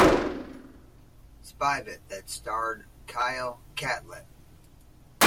Spivet that starred Kyle Catlett.